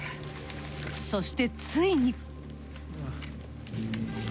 そしてついに。